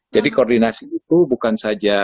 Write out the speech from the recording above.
jadi koordinasi itu bukan saja